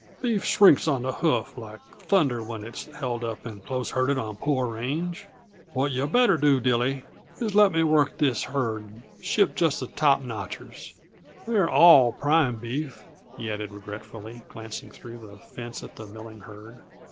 "Beef shrinks on the hoof like thunder when it's held up and close herded on poor range. What yuh better do, Dilly, is let me work this herd and ship just the top notchers they're all prime beef," he added regretfully, glancing through the fence at the milling herd.